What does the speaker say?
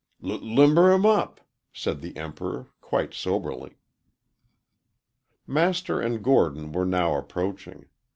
"L limber him up," said the Emperor, quite soberly. Master and Gordon were now approaching.